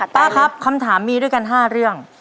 ป้าครับคำถามมีด้วยกัน๕เรื่อง